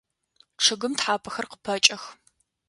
Чъыгым тхьапэхэр къыпэкӏэх.